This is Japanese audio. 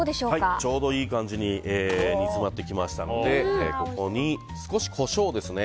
ちょうどいい感じに煮詰まってきましたのでここに少しコショウです。